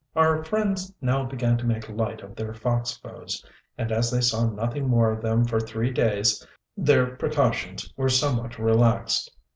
Our friends now began to make light of their fox foes, and as they saw nothing more of them for three days their precautions were somewhat relaxed.